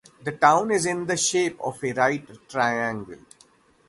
The town is in the shape of a right triangle.